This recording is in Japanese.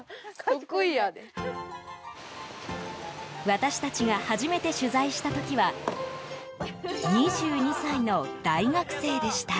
私たちが初めて取材した時は２２歳の大学生でした。